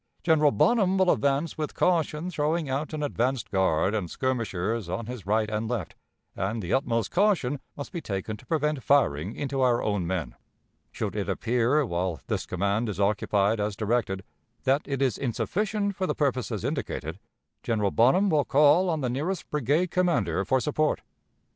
"General Bonham will advance with caution, throwing out an advanced guard and skirmishers on his right and left, and the utmost caution must be taken to prevent firing into our own men. "Should it appear, while this command is occupied as directed, that it is insufficient for the purposes indicated, General Bonham will call on the nearest brigade commander for support.